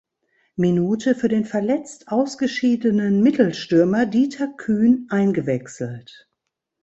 Minute für den verletzt ausgeschiedenen Mittelstürmer Dieter Kühn eingewechselt.